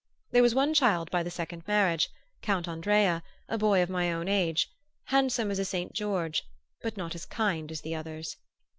There was one child by the second marriage, Count Andrea, a boy of my own age, handsome as a Saint George, but not as kind as the others.